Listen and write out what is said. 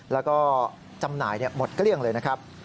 แล้วก็จำหน่ายหมดเกลี้ยงเลยนะครับ